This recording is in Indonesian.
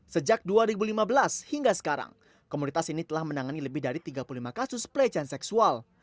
sejak dua ribu lima belas hingga sekarang komunitas ini telah menangani lebih dari tiga puluh lima kasus pelecehan seksual